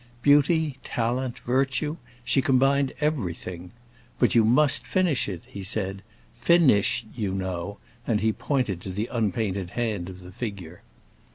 Beauty, talent, virtue; she combined everything! "But you must finish it," he said. "finish, you know;" and he pointed to the unpainted hand of the figure.